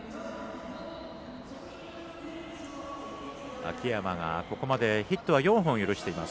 秋山がここまでヒットは４本許しています。